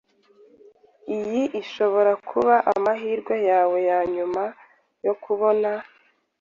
Iyi ishobora kuba amahirwe yawe yanyuma yo kubona.